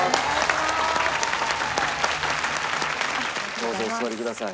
どうぞお座りください。